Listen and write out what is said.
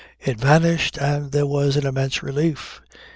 It vanished and there was an immense relief.